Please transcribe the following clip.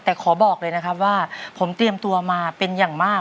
แต่ขอบอกเลยนะครับว่าผมเตรียมตัวมาเป็นอย่างมาก